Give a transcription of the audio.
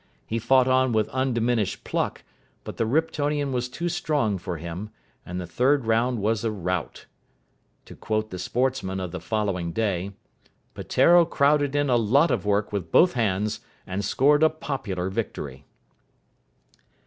He fought on with undiminished pluck, but the Riptonian was too strong for him, and the third round was a rout. To quote the Sportsman of the following day, "Peteiro crowded in a lot of work with both hands, and scored a popular victory".